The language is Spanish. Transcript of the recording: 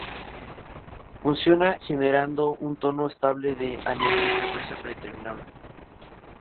Funciona generando un tono estable de nivel a una frecuencia predeterminada.